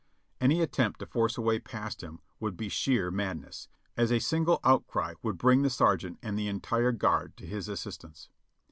Any attempt to force a way past him would be sheer madness, as a single out cry would bring the sergeant and the entire guard to his assistance.